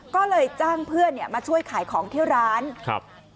ก็เลยจ้างเพื่อนเนี่ยมาช่วยขายของที่ร้านครับ